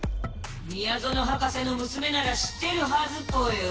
みやぞの博士のむすめなら知ってるはずぽよ。